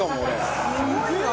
すごいな！